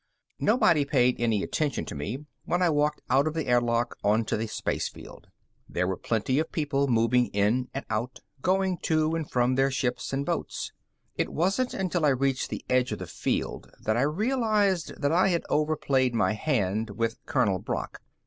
Nobody paid any attention to me when I walked out of the air lock onto the spacefield. There were plenty of people moving in and out, going to and from their ships and boats. It wasn't until I reached the edge of the field that I realized that I had over played my hand with Colonel Brock.